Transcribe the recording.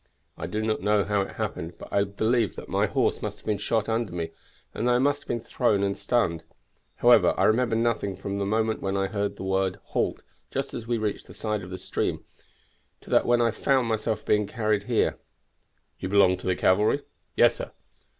"I do not know how it happened, but I believe that my horse must have been shot under me, and that I must have been thrown and stunned; however, I remember nothing from the moment when I heard the word halt, just as we reached the side of the stream, to that when I found myself being carried here." "You belong to the cavalry?" "Yes, sir."